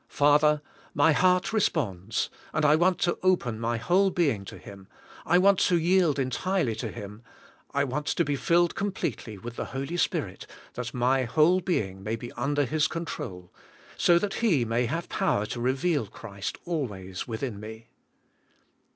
Father, my heart responds and I want to open my whole being to Him; I want to yield en tirely to Him; I want to be filled completely with the Holy Spirit that my whole being may be under His control, so that He may have power to reveal Christ alwa3'S within me."